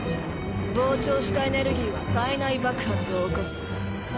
膨張したエネルギーは体内爆発を起こす。